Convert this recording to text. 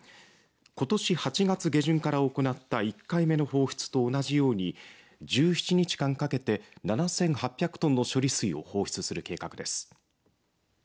ことし８月下旬から行った１回目の放出と同じように１７日間かけて７８００トンの処理水を放出する計画です。